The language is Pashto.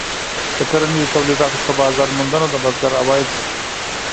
د کرنیزو تولیداتو ښه بازار موندنه د بزګر عواید زیاتوي.